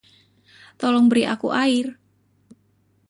Tolong beri aku air.